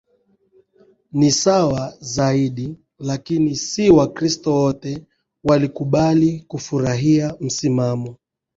ni sawa zaidi Lakini si Wakristo wote wanakubali na kufurahia msimamo